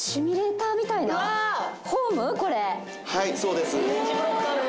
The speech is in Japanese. はいそうです。